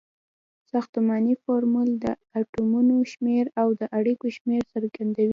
ساختمانی فورمول د اتومونو شمیر او د اړیکو شمیر څرګندوي.